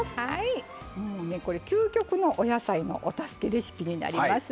もうねこれ究極のお野菜のお助けレシピになります。